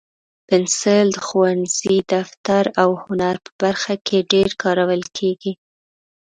پنسل د ښوونځي، دفتر، او هنر په برخه کې ډېر کارول کېږي.